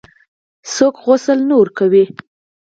څوک غسل نه ورکوي.